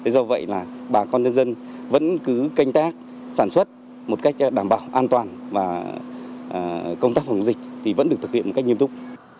do vậy là bà con nhân dân vẫn cứ canh tác sản xuất một cách đảm bảo an toàn và công tác phòng dịch thì vẫn được thực hiện một cách nghiêm túc